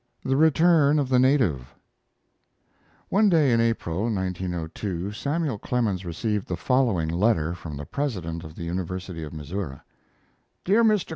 THE RETURN OF THE NATIVE One day in April, 1902, Samuel Clemens received the following letter from the president of the University of Missouri: MY DEAR MR.